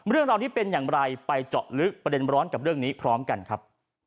เรื่องราวนี้เป็นอย่างไรไปเจาะลึกประเด็นร้อนกับเรื่องนี้พร้อมกันครับ